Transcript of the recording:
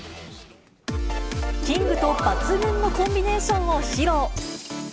キングと抜群のコンビネーションを披露。